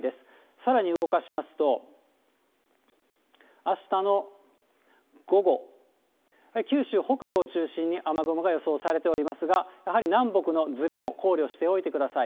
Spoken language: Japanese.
さらに動かしますと、あしたの午後、九州北部を中心に雨雲が予想されておりますが、やはり南北のずれも考慮しておいてください。